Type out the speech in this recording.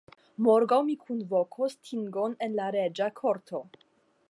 Morgaŭ mi kunvokos tingon en la reĝa korto.